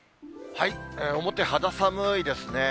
表、肌寒いですね。